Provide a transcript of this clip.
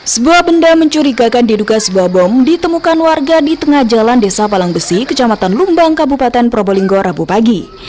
sebuah benda mencurigakan diduga sebuah bom ditemukan warga di tengah jalan desa palangbesi kecamatan lumbang kabupaten probolinggo rabu pagi